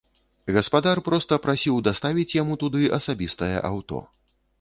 Гаспадар проста прасіў даставіць яму туды асабістае аўто.